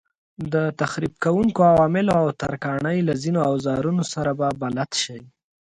د تخریب کوونکو عواملو او ترکاڼۍ له ځینو اوزارونو سره به بلد شئ.